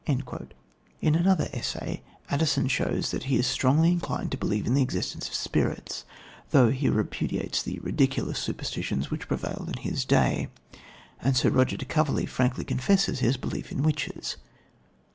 " In another essay Addison shows that he is strongly inclined to believe in the existence of spirits, though he repudiates the ridiculous superstitions which prevailed in his day; and Sir Roger de Coverley frankly confesses his belief in witches.